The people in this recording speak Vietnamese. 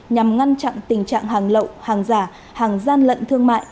nhằm ngăn chặn tình trạng hàng lậu hàng giả hàng gian lận thương mại